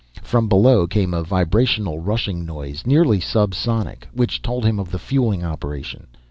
From below came a vibrational rushing noise, nearly subsonic, which told him of the fueling operation.